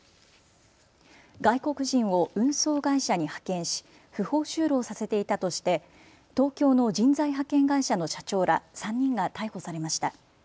外国人を運送会社に派遣し不法就労させていたとして東京の人材派遣会社の社長ら３人が逮捕されました。